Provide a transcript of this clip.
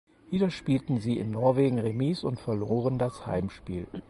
Wieder spielten sie in Norwegen remis und verloren das Heimspiel.